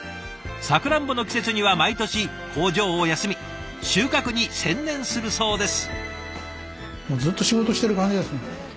サクランボの季節には毎年工場を休み収穫に専念するそうです。